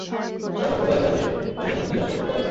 তার সম্প্রদায় তাকে এ জন্য তিরস্কার করতে লাগল।